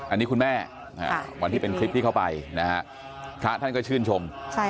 อันนี้คุณแม่วันที่เป็นคลิปที่เข้าไปนะฮะพระท่านก็ชื่นชม